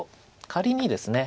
仮にですね